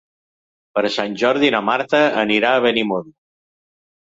Per Sant Jordi na Marta anirà a Benimodo.